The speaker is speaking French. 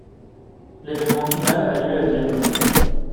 L'événement final a lieu à Vienne.